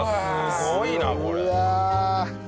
すごいなこれ。